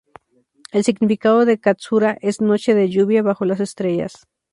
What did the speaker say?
El significado de "katsura" es "noche de lluvia bajo las estrellas".